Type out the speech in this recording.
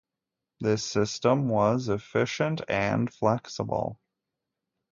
This system was efficient and flexible.